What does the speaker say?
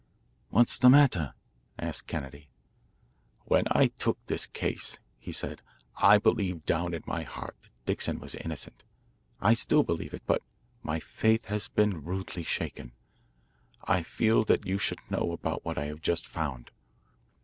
"What's the matter?" asked Kennedy. "When I took this case," he said, "I believed down in my heart that Dixon was innocent. I still believe it, but my faith has been rudely shaken. I feel that you should know about what I have just found.